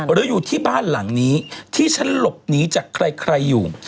หรืออยู่ที่บ้านหลังนี้ที่ฉันหลบหนีจากใครอยู่